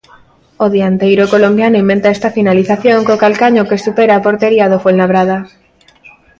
O dianteiro colombiano inventa esta finalización co calcaño que supera a portería do Fuenlabrada.